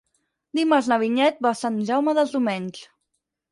Dimarts na Vinyet va a Sant Jaume dels Domenys.